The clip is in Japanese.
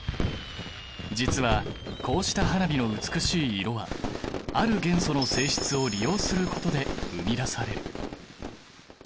実はこうした花火の美しい色はある元素の性質を利用することで生み出される。